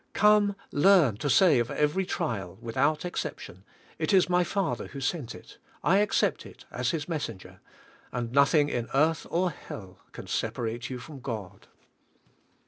Come learn to say of every trial, without exception, "It is my Father who sent it. I accept it as His messen ger," and nothing in earth or hell can separate you from God.